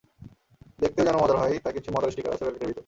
দেখতেও যেন মজার হয়, তাই কিছু মজার স্টিকার আছে প্যাকেটের ভেতর।